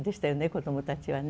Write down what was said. こどもたちはね。